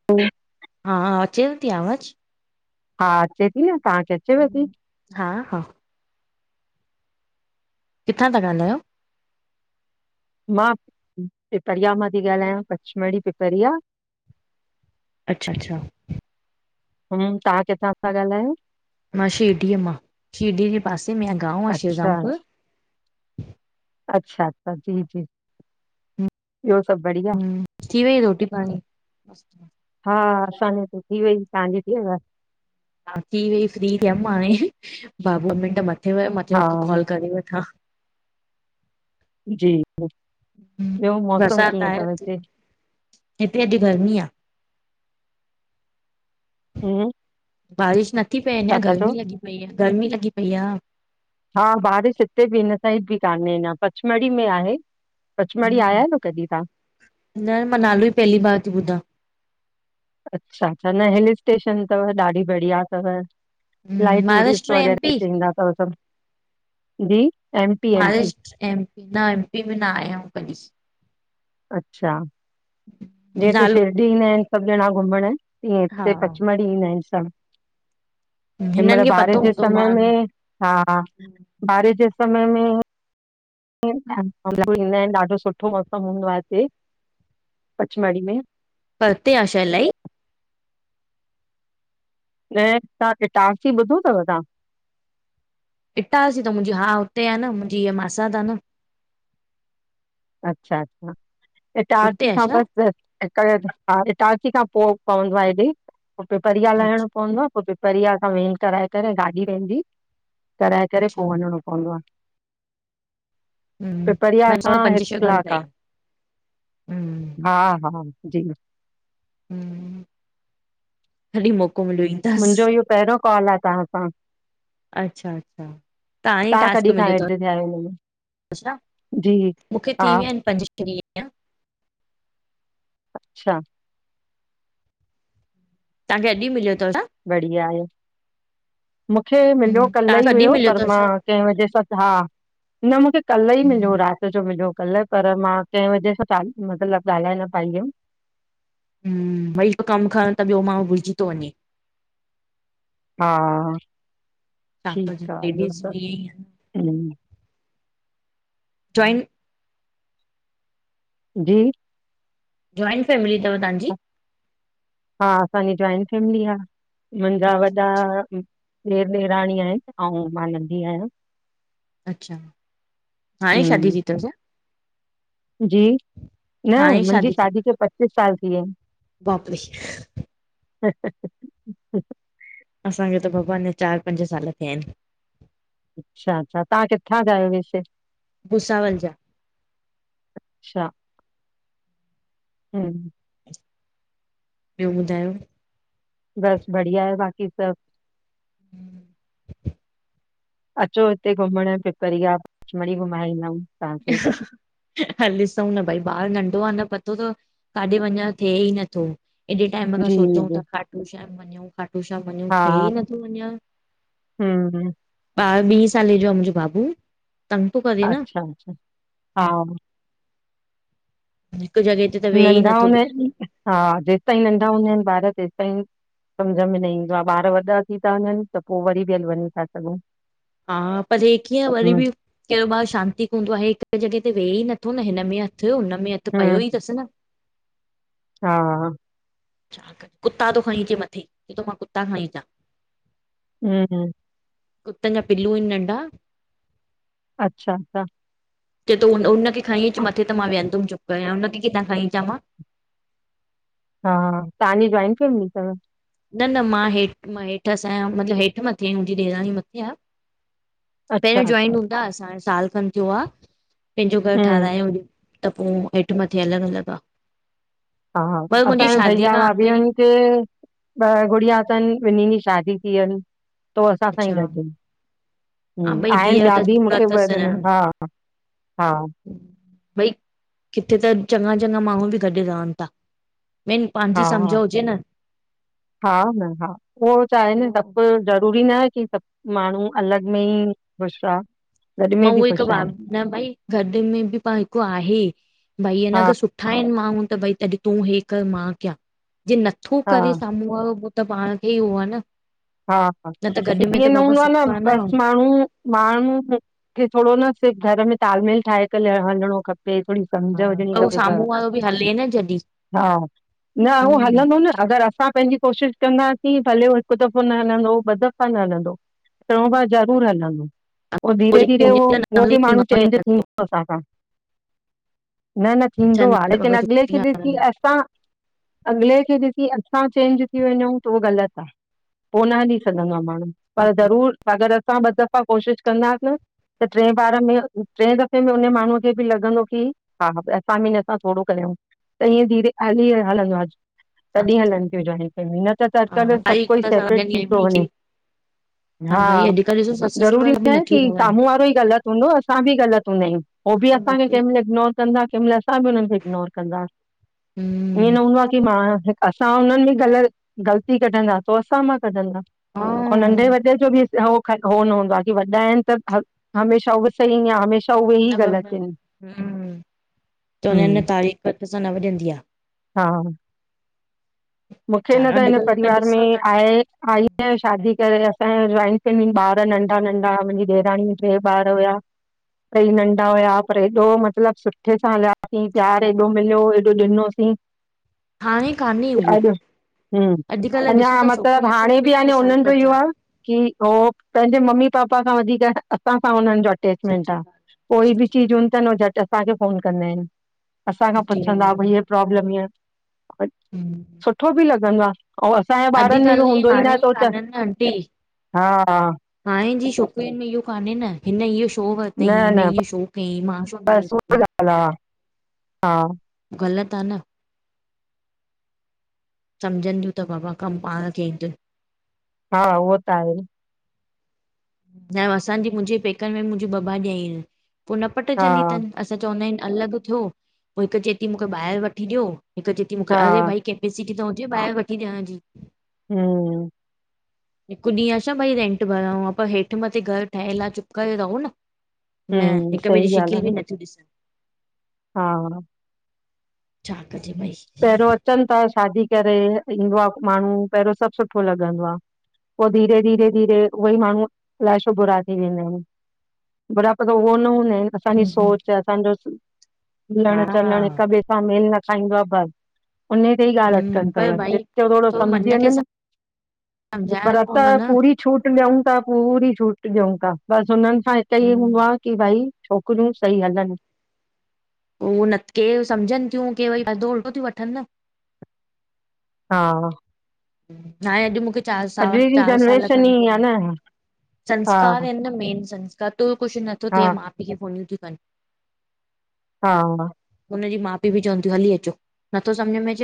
[inaudible] हा अचेव थी आवाज़? हा अचे थी न तांखे? हा हा - - किथां ता ॻाल्हायो? मां पिपरिया मां ती ॻाल्हायां पचमड़ी पिपरिया। अच्छा अच्छा। हूं तां किथां ता ॻाल्हायो? मां शिरडीअ मां शिरडीअ जे पासे में गांव आ अच्छा शेवजामपुर। अच्छा अच्छा जी जी ॿियो सभ बढ़िया? थी वई रोटी पाणी? हा असां जी त थी वई तांजी थी वई? हा थी वई फ्री थियम हाणे भा ॿ मिंट मथे - - हे वया मथे हा हिकु कॉल करे वठां। जी हूं ॿियो मौसम बरसात कीअं आए अथव ती? हिते हिते अॼ गरमी आ। हूं - - बारिश नथी पए अञा गर्मी लॻी पई आ गर्मी लॻी पई आ। हा बारिश हिते बि हिन साइड ई काने पछमड़ी में आहे। पचमढ़ी आया हम्म, आयो न कॾीं तां? न मां नालो ई पहली बार ती ॿुधा। अच्छा, न हिल स्टेशन तव ॾाढी बढ़िया तव। इलाही हम्म, टूरिस्ट महाराष्ट्र वग़ैरह एमपी इते ईंदा तव सभ, जी M P M P. M P न एम पी में ना आयायुं कॾहिं। अच्छा, जीअं हिते नालो शिरडी ईंदा आहिन, सभ ॼणा घुमण तीअं हा हिते पचमढ़ी ईंदा ईन सभ, हिननि हिनमल खे पतो बारिश जे हूंदो समय मां न में हा। बारिश जे समय में ईंदा आहिन, ॾाढो सुठो मौसम हूंदो आ हिते, पचमाड़ी में। परते आ छा इलाई? न तव्हां इटारसी ॿुधो तव तव्हां? ईटारसीं त मुंहिंजी हा हुते आ न, मुंहिंजी हीअ मासात आ न। अच्छा अच्छा उते ईटारसीं आ खां छा बस हा इटारसी खां पो पवंदो आ हेॾे, पो पीपरिया अच्छा लहणो पवंदो आ पो पीपरिया खां वेन कराए करे गाॾी पेंजी कराए करे अच्छा पो वञिणो पवंदो आ। हम्म म छड़ो पंज छह घंटा कलाक हि आहे हम्म हा हा जी। हम्म जॾी मौको मिलई मुंहिजो इहो पहिरयों कॉल आ तव्हां सां। अच्छा अच्छा तव्हां ई तव्हां टास्क कॾहिं खां मिलयो तव। एड थिया आहियो हिन में अच्छा जी मूंखे हा थी वया आहिन, पंज छह ॾिह अञा अच्छा। तव्हांखे अॼु ही मिलयो तव छा? बढ़िया आए। मूंखे मिलयो कल्ह टास्क ई अॼु हुयो, मिलियो पर अथव मां छा कंहि वजे सां हा न मूंखे कल्ह ई मिलयो हो रात सोचो मिलयो कल्ह, पर मां कैं वजह सां मतलब ॻाल्हाए न पाई हुयम‌। हम्म वई हिक कम खण त ॿियो माण्हू भुलजी तो वने। हा। छा कजे ठीकु आहे ॿियो लेडीस त बि हम्म जॉइन जी? जॉइट फैमिल तव तांजी? हा असांजी जॉइंट फैमिली आ, मुंहिंजा अच्छा वॾा ढेर ढेराणी आहिनि, अउं मां नॾी आहियां। अच्छा, हाणे ई शादी हम्म थी तव छा? जी न मुंहिंजी शादी खे पचीस साल थी वियाइन। बाप रे [inaudible] अच्छा [inaudible] असांखे त भॻवान चार पंज साल थिया आहिनि। अच्छा अच्छा, तव्हां किथां जा आयो वैसे? भुसावल जा। अच्छा हम्म। ॿयो ॿुधायो? बस बढ़िया आए बाक़ी सभ अचो हिते घुमण पिपरिया पंचमढ़ी घुमाईंदम। [inaudible] हा ॾिसूं न भई ॿारु नंॾो आ न पत्तो तव काथे वञण थेए ई नथो। हेॾे टाइम खां जी सोचूं जी ता खाटूश्याम वञूं खाटू श्याम वनु हा थेई नथो वञन। हम्म ॿारु ॿी साले जो आहे मुंहिंजो बाबू। तंग थो करे न अच्छा अच्छा हा हिकु जॻह ते त वेहे ई नंढा नथो हूंदा बिल्कुलु आहिनि हा जेस ताईं नंढा हूंदा आहिनि ॿार तेसि ताईं सम्झ में न ईंदो आहे ॿार वॾा थी ता वञनि त पोइ वरी बि हली वञनि था सघूं हा पर हे कीअं वरी हम्म बि कहिड़ो ॿारु शांतीको हूंदो आहे हिकु जॻह ते विहे ई नथो न हिन में हथु हुनमे हथु हम्म पियो ई तसि न। हा छा कुत्ता थो खणी अचे मथे चए थो मां कुत्ता खणी अचां। हु हु कुतनि जा पिलू आहिनि नंढा अच्छा अच्छा चवे थो उ हुनखे खणी अचु मथे त मां वेहंदुमि चुपकरे हाणे उनखे किथां खणी अचां मां। हा तव्हांजी जॉइंट फैमिली तव? न न मां हेठि मां हेठि असां आहियां मतलबु हेठि मथे आहियूं मुंहिंजी ॾेराणी मथे आ। अच्छा पहिरियों अच्छा जॉइन हूंदा असांजो साल खनि थियो आ पंहिंजो घरु हम्म ठारहिरायो हु त पोइ हेठि मथे अलॻि अलॻि आ। हा हा असांजो भैया खां अॻु भाभी ई हाणे हुते ॿ गुड़िया अथनि ॿिननि जी शादी थीवियनि। तो असां सां ई अच्छा गॾु अन। ह हा भई आहिनि धीअ ॿिया त बि पुटु अथसि न मूंखे हा हा भई किथे त चङा चङा माण्हू बि गॾु रहनि था। मेन हा पंहिंजी सम्झ हा हुजे न हा न हा सोच आहे न स को जरूरी न आहे की सभु माण्हू अलॻि में ई खुशि आ। मां उहो हिकु ब न भई गॾ में बि एको आहे भाई हा अनसुठ ठाहिनि माण्हू त भई तॾ तूं हे कर मां कयां जे नथो हा करे साम्हूं वारो त पाण खे ई उहो आहे न। हा हा न त गॾ में त ईअं न बाबा हूंदो आहे न सुख बसि माण्हू माण्हू खे थोरो न सिर्फु घर में तालमेल ठाहे करे हलिणो खपे। ते थोरी सम्झ हुजणी पर उहो खपे बस साम्हूं वारो बि हले न जॾहिं हा न उहो हम्म हलंदो न अगरि असां पंहिंजी कोशिशि कंदासीं भले उह हिकु दफो न हलंदो ॿ दफा न हलंदो टियों बार जरूर हलंदो। पोइ धीरे जेके धीरे उहो हुजे न उहो बि माण्हू चेंज थींदो असां सां। न न थींदो नचनि आ त लेकिन बाबा अॻिले सुठी खे ॻाल्हि ॾिसी असां अॻिले खे ॾिसी असां चेंज थी वञूं त उहो गलति आ। पो न हली सघंदो आहे माण्हू पर जरूर अगरि असां ॿ दफा कोशिशि कंदासीं न त ट्रे बार में ट्रे दफे में हुन माण्हूअ खे बि लॻंदो कि हा हा असां भी न असां थोरो कयूं त ईअं धीरे हली हलंदो आहेॼ तॾहिं हलनि थियूं जाॅइंट फैमिलियूं न त अॼुकल्ह सभु कोई सेपरेट थी तो वञे। आहे। हा भई अॼुकल्ह ॾिसो ससु जरूरी सहुरा न बि आहे की नथियूं ठहनि साम्हूं वारो ई गलत हूंदो असां बी गलत हूंदा आहियूं हो बि हा असांखे बाक़ी केंहि मल इग्नोर कंदा केंहि मलल असां बी हुनंन खे इग्नोर कंदा [inaudible] [unintelligible] मां असां उनन जी गलती गलती कढंदा त असां मां कढ़ंदा हा ऐं नंढे न वॾे जो बी हो न हूंदो आह की वॾा आहिन त हमेशा उहो सही आ हमेशा त हुन न हम्म ताॾी हिक हथ सां न वॼंदी आह। हा मूंखे न त छाकाणि हिन अॼुकल्ह त परिवार में ॾिसो था आहे आई ऐं शादी करे असांजा जाॅइंट फैमली ॿार नंढा नंढा मुंहिंजी ॾेराणी ट्रे ॿार हुया टई नंढा हुया, पर एॾो मतलब सुठे सां हलयासे, सची प्यार ॻाल्हि एॾो मिलयो एॾो ॾिनोसे। हाणें कान्हे उहो। हूं, अॼुकल्ह अञा ॾिसो था मतलब छोकिरियूं हाणें बी छोकिरियुनि में अनां उनन जो सरपंच इहो आ आह की हो पंहिंजे मम्मी पापा खां वधीक असां सां हुनन जो अटेचमेंट सुठी अटेचमेंट आह। ॻाल्हि आहे, कोई बी सुठी चीज ॻाल्हि हूंदी तन झट असांखे फोन कंदा आहिन। आहे, असांखा सुठी ॻाल्हि पुछंदा आहे। भई हीअ प्रोब्लम इअं [inaudible] सुठो बि लॻंदो आह [unintelligible] असांजे ॿारन में इहो अॼुकल्ह हूंदो ई न हाणे त कान्हनि न आंटी [unintelligible] हा हा हाणे जी शोकरियुन में इहो कान्हे न, हिन इयो शो वरतईं? हिन इयो शो कयईं? मां छो न वरितो। [unintelligible] हा ग़लत आह न समझंदियूं त बाबा कम पाण के इंदुन हा उहो त आहे न असांजे मुंहिंजी पेकन में मुंहिंजी ॿ भाॾाई आहिन। पो न हा पटजंदी तन। असां चवंदा आहिन अलॻ थियो पो हिक चए ती मूंखे ॿाहेर वठी ॾयो, हिक चए ती हा मूंखे अरे भाई के [unintelligible] किथे हुजे ॿाहेर वठी ॾियण जी हूं हिकु ॾींहुं आ छा भई रेंट भरऊूं पर हेठ मथे घर ठहयल आह चुप करे रहो न न हम्म, हिक ॿे जी सही ॻाल्हि शिकिल आहे बी न, नथियूं ॾिसन हा छा कजे भई पेहरयों अचन था शादी करे, ईंदो आह माण्डू पहिरियों सभ सुठो लॻंदो आह। पो धीरे -धीरे धीरे उहेई माण्डू अलाए शो बुरा थी वेंदा आहिन। बड़ा [unintelligible] उहो न [unintelligible] असांजी हम्म, हम्म, सोच असांजो मिलण चलण हिक हा ॿे सां मेल न खाईंदो आह बस उन ते ई ॻाल्ह हम्म अटकन पर तव भाई जिते थोडो समझी वञन समझायो कौन न पूरी छूट ॾियूं था पूरी छूट ॾियूं था बस हुनन सां हिक ई हूंदो हम्म, आह की भाई छोकरियूं सही हलन पो उहो न के समझन थियूं के वरी [unintelligible] थियूं वठन न हा नाले अॼु मूंखे चार अॼु साल, जी चार साल जनरेशन खन ई थिया। आहे न, हा, संस्कार आहिन न मैन संस्कार कदुर कुश नथो हा। थे। मा पी खे फोनियूं तियूं कन। हा हुनजी माउ पीउ बि चवनि तियूं हली अचो, नथो सम्झ में अच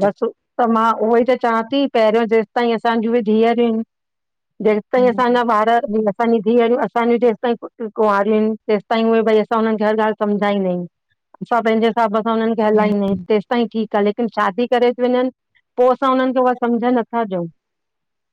बसि त मां उहोई त चवां ती पहिरियों जेसि ताईं असांज्यूं बि धीअरियूं हिनि जेसिताईं असांजा ॿार भी न असांजी धीअरियूं असांजी जेसिताईं पुट्र कुंआरियूं हिनि तेसिताईं उहे भई असां हुननि खे हर ॻाल्हि समझाईंदायूं असां पंहिंजे हिसाब सां हुननि खे हलाईंदा आहियूं तेसिताईं ठीक आ लेकिन शादी करे तियूं वंञंनि, पो असां हुननि खे उहा समझ नथा ॾियंउ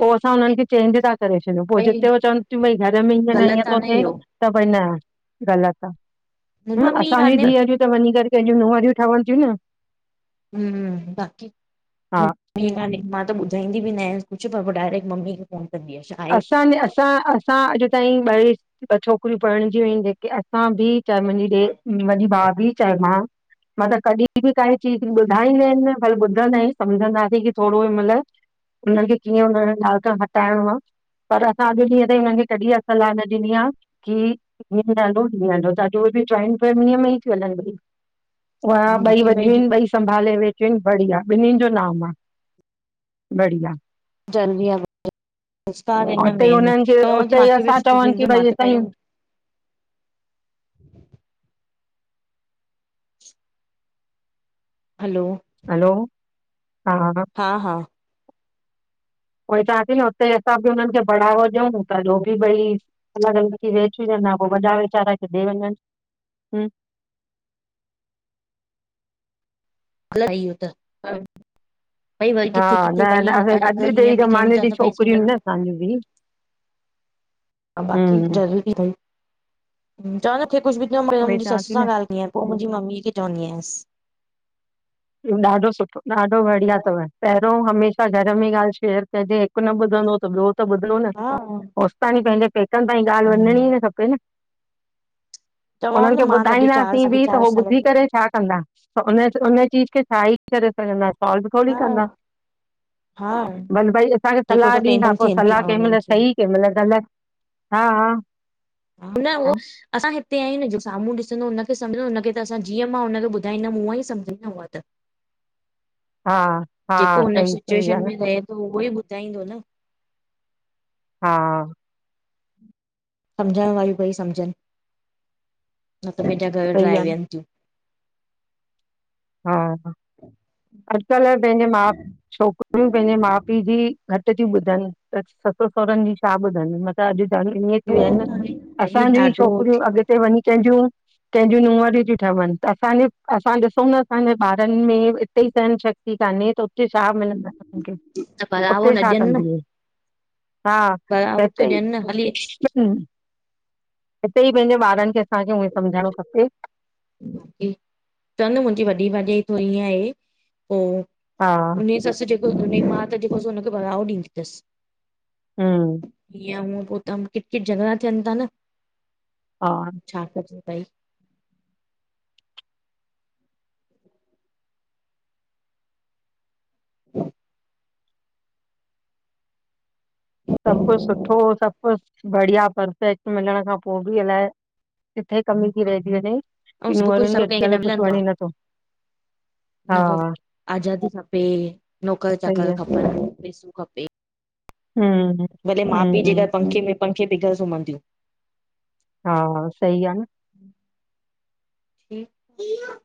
पो असां हुननि खे चेंज ता करे छॾियंउं पो भई जिते हो चवनि तियूं भई घर में हींयं न ग़लति हींयं आ तो थिए इहो त भई न ग़लति आ, मुंहिंजी हुंअ मम्मी असांजियू कान्हे धीअरियूं त वंञीं करे कंहिंज्यू नुंहरियूं ठवनि तियूं न हम्म बाक़ी हा हींयं कान्हे मां त ॿुधाईंदी बि न आहियांस कुछु पर पो डायरेक्ट मम्मी खे फ़ोन कंदी आ, छा? आहे असांजे, असां, असां अॼु ताईं ॿई, ॿ छोकिरियूं परणिजी वयूं हिनि जेक के असां भी चाहे मुंहिंजी ॾे वॾी भाभी, चाहे मां मां त कॾी बि काई चीज ॿुधाईंदा हिनि न, भले ॿुधंदा आहियूं सम्झंदासीं की थोड़ो हिन मल उन्हन खे कीअं हुन ॻाल्हि खां हटाइणो आ पर असां अॼु ॾींहं ताईं हुननि खे कॾी इह्या सलाह न ॾिनी आ की हीअं हलों जीयं हलो चाहे जो बि जॉइंट फैमलीअ में ई तियूं हलनि ॿई। हा ॿई बाक़ी वॾियूं भई हिनि ॿई संभाले वेठियूं हिनि बढ़िया ॿिन्हिनि जो नाम आ बढ़िया। जरूरी आहे, होशियार ऐं इन न हुते मेन हुननि खे तहांजी हुते माखे बि असां [unintelligible] चवनि की ॾिदो मां भई त असांजी पहिरियों हलो हलो हा हा [inaudible] उहो ई चवां ती न उते असां बि हुननि खे बढ़ावो ॾियंउं त जो कि भई अलॻि अलॻि थी वेठियुं हुजनि हां पो वॾा वेचारा किॾे वंञंनि हुं गलत आ इह्यो त। भई वरी हा किथे किथे न न भई असां अॼु अगर जे ई हीअं बि ज़माने कयुं ता जी त भई छोकिरियूं सहुरा आहिनि न असांजूं बि हा बाकी हम्म जरूरी थई, चवां न खे कुछु बि थियो पहिरिया उहोई मुंहिंजी चवां ससु थी सां न ॻाल्हि कीयं पो मुंजी मम्मीअ खे चवंदी आहियांसि इह्यो ॾाढो सुठो ॾाढो बढ़िया तव पहिरियों हमेशा घर में ॻाल्हि शेयर कजे हिकु न ॿुधंदो त ॿियो त ॿुधंदो न हा होस तांणी पंहिंजे पेकनि ताईं ॻाल्हि वंञिंणी ई हम्म, न खपे न चवांव उन्हनि न खे मां त अॼु चार ॿुधाईंदासीं साढी बि त चार हो साल ॿुधी थी करे छा कंदा? उन्ह उन्ह चीज खे छा ई करे सघंदा सोल्व थोड़ी हा कंदा हा, भल भई असांखे जेको सलाह सो ॾींदा टेंशन पो थियनि थी सलाह हुननि कंहिंमल खे सही कंहिंमल गलति हा हा। न उहो असां हिते आहिंयूं न जो साम्हूं ॾिसंदो उनखे समझंदो उनखे त असां जीअं मां हुनखे ॿुधाईंदमि उअं ई सम्झंदी उहा त। हा हा जेको हुन सही सही आहे सिचुएशन न में रहे तो उहोई ॿुधाईंदो न हा। सम्झण वारियूं भई सम्झनि न त पंहिंजा घर सही ड्राए आहे न वेहनि तियूं। हा अॼुकल्ह पंहिंजे मा छोकिरियूं पंहिंजे माउ पीउ जी घटि तियुं ॿुधनि त ससु सहुहरनि जी छा ॿुधंदियुं मत् अॼु त [unintelligible] ईञें थी विया उहो हिनि त आहे न, हे असांजूं ई ॾाढो छोकिरियूं थियो अॻिते वंञीं कंहिजियूं कंहिंज्यू नूंहंरियूं तियूं ठहवनि त असांजे असां ॾिसंउं न असांजे ॿारन में इते ई सहन शक्ति कान्हे त उते छा मिलंदन हुननिखे। आहे त बराबो उते न छा ॾियनि न कंदी हा बराबो हिते थियूं ई - ॾियनि न हली अच। - हम्म हिते ई पंहिंजे ॿारन खे असांखे उएं सम्झाइणो खपे। च न मुंहिंजी वॾी भाॼाई थोरी ईअं आहे पोइ - हा - उनजी सस जेको उनजी मां त जेको हुनखे बड़ावो ॾींदी अथस। हम्म। इअंउअं पोइत किट किट झॻड़ा थियन था न। हा - - छा कजे भई। ह - - सभ कुझ सुठो सभु कुझ बढ़िया परफेक्ट मिलण खां पोइ बि अलाए - - किथे कमी थी रहिजी वञे ऐं की सभु कुझु नूंहंरनि सभु खे कंहिंखे न अॼुकल्ह कुझ वणे नथो। हा मतब आजादी खपे नौकर सही चाकर आहे खपन पेसो खपे। हम्म। भले माउ पीउ जे हम्म घर पंखे में पंखे बिघर सुम्हंदियूं - - हा सही आ न। ठीक इहो - -